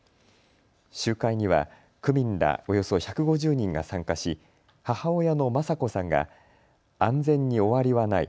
集会には区民らおよそ１５０人が参加し母親の正子さんが安全に終わりはない。